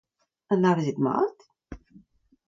Anavezet-mat.